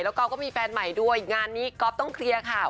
แล้วก็มีแฟนใหม่ด้วยงานนี้ก๊อฟต้องเคลียร์ข่าว